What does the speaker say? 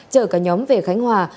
chở cả nhóm về khánh hòa